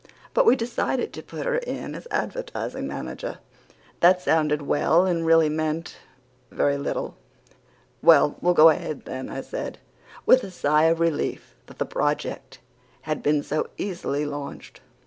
But we decided to put her in as advertising manager. That sounded well and really meant very little. "Well, we'll go ahead then," I said, with a sigh of relief that the project had been so easily launched.